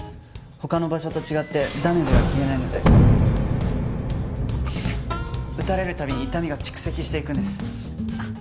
他の場所と違ってダメージが消えないので打たれる度に痛みが蓄積していくんです。